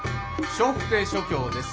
笑福亭松喬です。